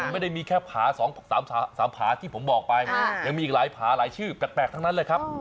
ไม่ได้มีแค่ผา๒๓ผาที่ผมบอกไปยังมีอีกหลายผาหลายชื่อแปลกทั้งนั้นเลยครับ